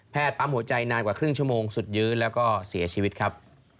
ปั๊มหัวใจนานกว่าครึ่งชั่วโมงสุดยื้อแล้วก็เสียชีวิตครับ